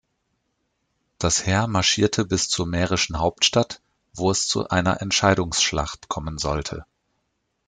Das Heer marschierte bis zur mährischen Hauptstadt, wo es zu einer Entscheidungsschlacht kommen sollte.